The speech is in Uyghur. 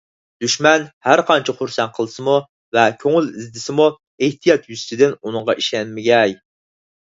دۈشمەن ھەرقانچە خۇرسەن قىلسىمۇ ۋە كۆڭۈل ئىزدىسىمۇ، ئېھتىيات يۈزىسىدىن ئۇنىڭغا ئىشەنمىگەي.